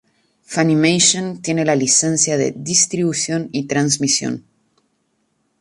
Funimation tiene la licencia de distribución y transmisión.